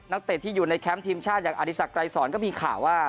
เตะที่อยู่ในแคมป์ทีมชาติอย่างอธิสักไกรสอนก็มีข่าวว่า